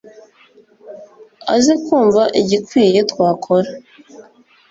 aze kumva igikwiye twakora